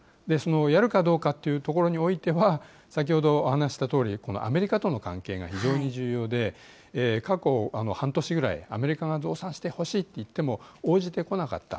やるかどうかというところにおいては、先ほどお話ししたとおり、アメリカとの関係が非常に重要で、過去半年ぐらい、アメリカが増産してほしいといっても、応じてこなかった。